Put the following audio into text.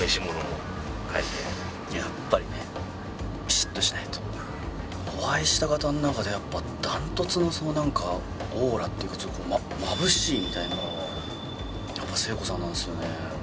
やっぱりねお会いした方の中でやっぱダントツのその何かオーラっていうか眩しいみたいなやっぱ聖子さんなんですよね